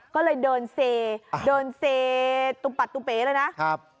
ก็เลยเดินเซตุบัตตุ๋าเป๊เลยนะ